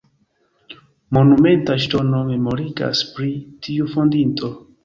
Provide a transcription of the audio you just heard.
Monumenta ŝtono memorigas pri tiu fondinto.